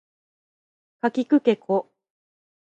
かきくけこ